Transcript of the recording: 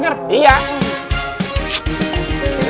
aduh ini bener